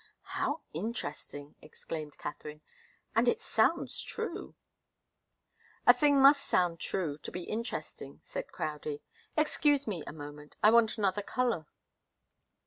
"How interesting!" exclaimed Katharine. "And it sounds true." "A thing must sound true to be interesting," said Crowdie. "Excuse me a moment. I want another colour."